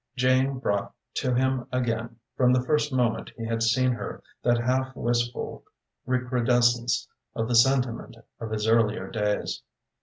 Jane brought to him again, from the first moment he had seen her, that half wistful recrudescence of the sentiment of his earlier days.